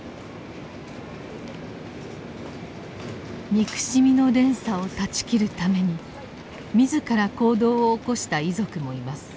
憎しみの連鎖を断ち切るために自ら行動を起こした遺族もいます。